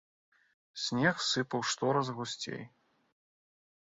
Снег сыпаў штораз гусцей.